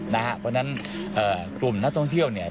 เพราะฉะนั้นกลุ่มนักท่องเที่ยวเนี่ย